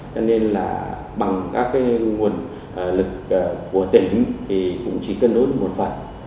cho nên là bằng các nguồn lực của tỉnh thì cũng chỉ cân đối được một phần